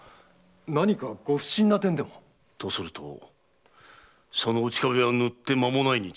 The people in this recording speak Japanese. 何かご不信な点でも？とするとその内壁は塗って間もないに違いない。